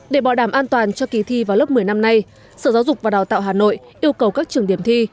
để bảo đảm an toàn cho kỳ thi vào lớp một mươi năm nay sở giáo dục và đào tạo hà nội yêu cầu các trường điểm thi